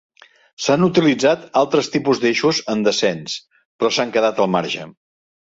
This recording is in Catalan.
S'han utilitzat altres tipus d'eixos en descens, però s'han quedat al marge.